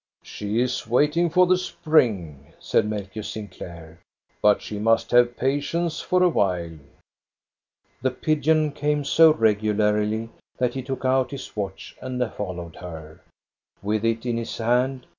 She is waiting for the spring," said Melchior Sinclair, " but she must have patience for a while." The pigeon came so regularly that he took out his watch and followed her, with it in his hand.